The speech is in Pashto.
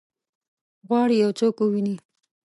غواړي یو څوک وویني؟